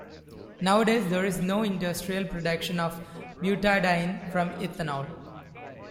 Nowadays there is no industrial production of butadiene from ethanol.